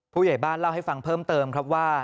ผู้ใหญ่บ้านเล่าให้ฟังเพิ่มเติมครับว่า